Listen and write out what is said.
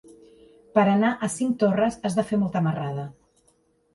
Per anar a Cinctorres has de fer molta marrada.